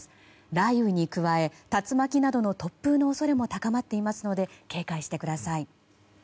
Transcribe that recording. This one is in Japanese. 雷雨に加え竜巻などの突風の恐れも高まっていますので警戒してください。